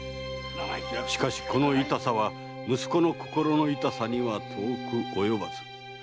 「しかしこの痛さは息子の心の痛さには遠く及ばず」